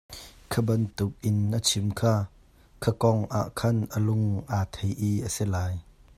Kha bantuk in a chim kha, kha kong ah khan a lung aa thei i a si lai.